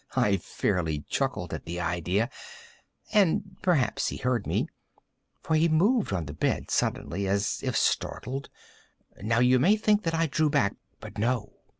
I fairly chuckled at the idea; and perhaps he heard me; for he moved on the bed suddenly, as if startled. Now you may think that I drew back—but no.